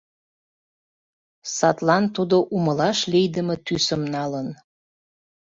Садлан тудо умылаш лийдыме тӱсым налын.